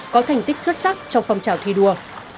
có thành tích xuất sắc trong phong trào thi đua